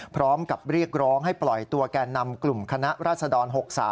พร้อมกับเรียกร้องให้ปล่อยตัวแก่นำกลุ่มคณะราษฎร๖๓